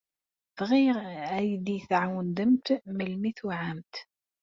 Bɣiɣ ad iyi-d-tɛawdemt melmi tuɛamt.